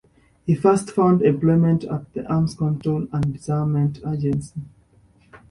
He first found employment at the Arms Control and Disarmament Agency.